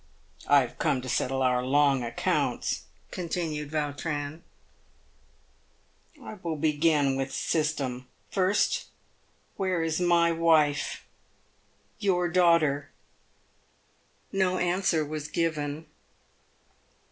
" I have come to settle our long accounts," continued Yautrin. " I will begin with system. First, where is my wife, your daughter ?" No answer was given.